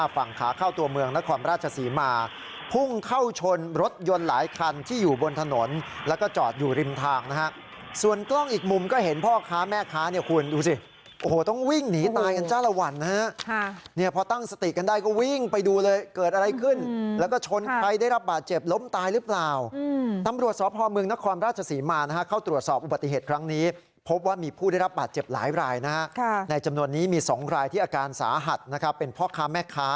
ฝั่งค้าเข้าตัวเมืองนครราชสีมาพุ่งเข้าชนรถยนต์หลายนาทีคนที่อยู่บนถนนและก็จอดอยู่ริมทางนะฮะส่วนกล้องอีกมุมก็เห็นพ่อค้าแม่ค้าเนี่ยคุณดูสิโอ้โหต้องวิ่งหนีตายกันจ้าละวันนะฮะเนี่ยพอตั้งสติกันได้ก็วิ่งไปดูเลยเกิดอะไรขึ้นแล้วก็ชนใครได้รับบาดเจ็บล้มไว้หรือเปล่าอื